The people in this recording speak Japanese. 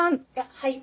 はい。